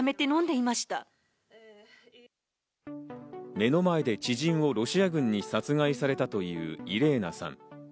目の前で知人をロシア軍に殺害されたというイレーナさん。